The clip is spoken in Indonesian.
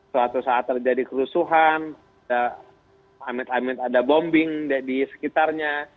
suatu saat terjadi kerusuhan amit amit ada bombing di sekitarnya